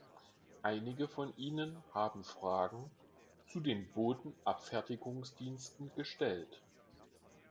Einige von Ihnen haben Fragen zu den Bodenabfertigungsdiensten gestellt.